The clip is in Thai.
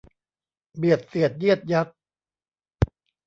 เบียดเสียดเยียดยัด